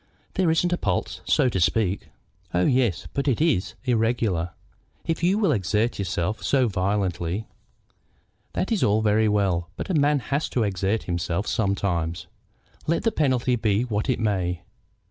"There isn't a pulse, so to speak." "Oh yes; but it is irregular. If you will exert yourself so violently " "That is all very well; but a man has to exert himself sometimes, let the penalty be what it may.